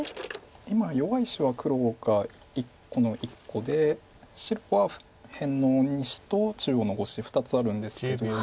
今弱い石は黒がこの１個で白は辺の２子と中央の５子２つあるんですけど。